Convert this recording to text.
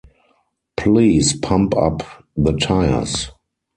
Please pump up the tires.